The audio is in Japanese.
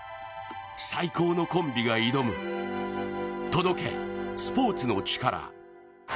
最高のコンビが挑む「届け、スポーツのチカラ」。